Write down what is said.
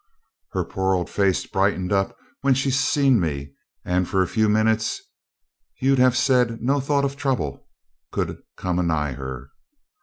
Her poor old face brightened up when she seen me, and for a few minutes you'd have said no thought of trouble could come anigh her.